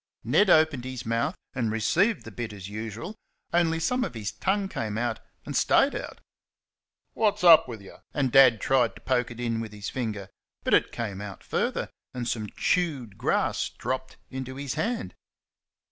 Ned opened his mouth and received the bit as usual, only some of his tongue came out and stayed out. "Wot's up w' y'?" and Dad tried to poke it in with his finger, but it came out further, and some chewed grass dropped into his hand.